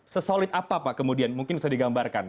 sesolid apa pak kemudian mungkin bisa digambarkan